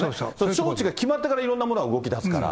招致が決まってからいろんなものが動きだすから。